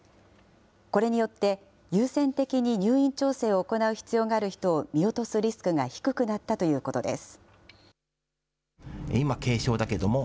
これによって、優先的に入院調整を行う必要がある人を見落とすリスクが低くなったということです。